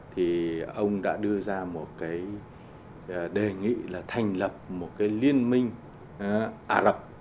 thì ông đã đưa ra một cái đề nghị là thành lập một cái liên minh ả rập